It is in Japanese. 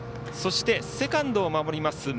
そして、セカンドを守ります